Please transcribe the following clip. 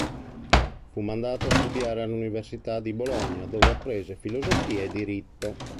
Fu mandato a studiare all'Università di Bologna, dove apprese filosofia e diritto.